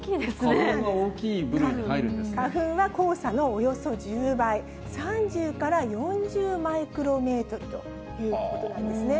花粉が大きい部類に入るんで花粉が黄砂のおよそ１０倍、３０から４０マイクロメートルということなんですね。